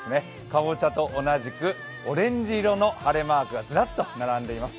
かぼちゃと同じくオレンジ色の晴れマークがずらっと並んでいます。